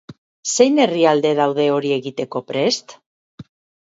Zein herrialde daude hori egiteko prest?